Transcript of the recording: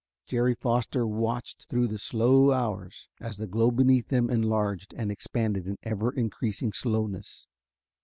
Jerry Foster watched through the slow hours as the globe beneath them enlarged and expanded in ever increasing slowness.